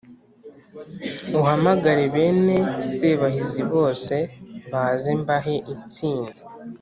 uhamagare bene sebahinzi bose baze mbahe intsinzi.